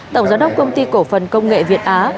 tổng giám đốc công ty cổ phần công nghệ việt á